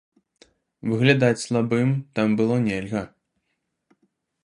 Выглядаць слабым там было нельга.